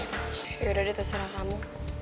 yaudah deh terserah kamu